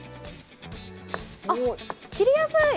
あっ切りやすい！